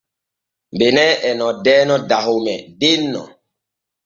Benin e noddeeno Dahome denno.